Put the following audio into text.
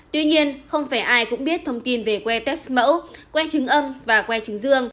tuy nhiên không phải ai cũng biết thông tin về que test mẫu que chứng âm và que chứng dương